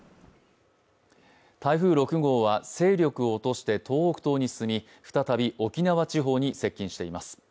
台風６号は勢力を落として東北東に進み、再び沖縄地方に接近しています。